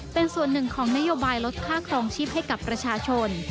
เป็นส่วนหนึ่งของนโยบายลดค่าครองชีพให้กับประชาชน